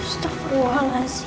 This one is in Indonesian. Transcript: sebenarnya apa yang terjadi sih